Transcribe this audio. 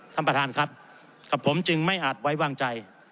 ท่านประธานครับกับผมจึงไม่อาจไว้วางใจ